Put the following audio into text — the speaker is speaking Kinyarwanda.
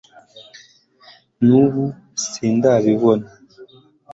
nubu sindabibona